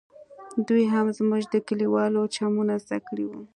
دوى هم زموږ د کليوالو چمونه زده کړي وو.